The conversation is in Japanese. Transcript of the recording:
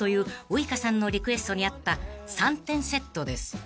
ウイカさんのリクエストに合った３点セットです］